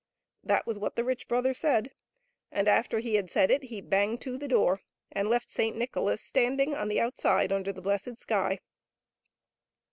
That was what the rich brother said, and after he had said it he banged to the door, and left Saint Nicholas standing on the outside under the blessed sky.